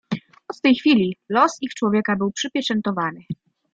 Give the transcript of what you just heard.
"Od tej chwili los ich człowieka był przypieczętowany."